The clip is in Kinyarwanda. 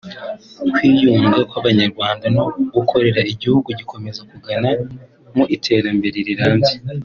kwiyunga kw’Abanyarwanda no gukorera igihugu gikomeza kugana mu iterambere rirambye